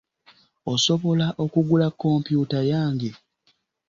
Osobola okugula kompyuta yange?